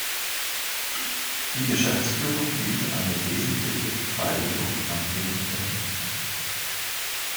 Die Geschäftsführung hielt eine wesentliche Beteiligung an dem Unternehmen.